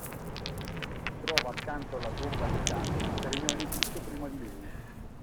Si trova accanto alla tomba di Ka, che regnò in Egitto prima di lui.